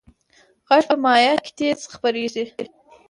غږ په مایع کې تیز خپرېږي.